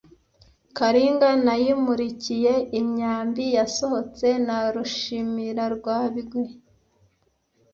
Kalinga nayimulikiye imyambi yasohotse, na Rushimirwabigwi